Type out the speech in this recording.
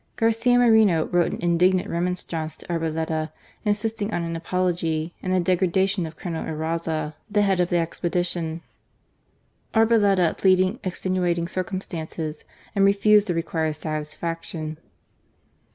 Garcia Moreno wrote an indignant remonstrance to Arboleda, insisting on an apology and the degradation of Colonel Eraza, THE DEFEAT OF TULCAN. 127 the head of the expedition. Arboleda pleaded ex tenuating circumstances and refused the required satisfaction.